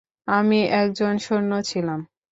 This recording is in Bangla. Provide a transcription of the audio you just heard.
আমি একজন সৈন্য ছিলাম।